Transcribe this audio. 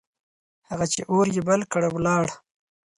هغه چې اور يې بل کړ، ولاړ.